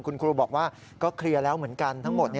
คุณครูบอกว่าก็เคลียร์แล้วเหมือนกันทั้งหมด